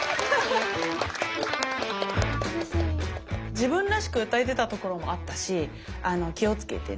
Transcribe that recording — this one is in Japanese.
自分らしく歌えてたところもあったし気を付けてね